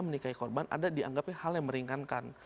menikahi korban ada dianggapnya hal yang meringankan